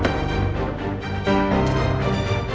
mati lah ini